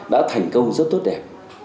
đã thành công rất tốt đẹp